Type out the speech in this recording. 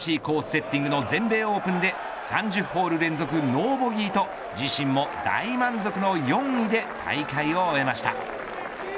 セッティングの全米オープンで３０ホール連続ノーボギーと自身も大満足の４位で大会を終えました。